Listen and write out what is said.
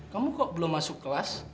kamu kok belum masuk kelas